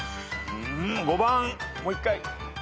５番もう一回。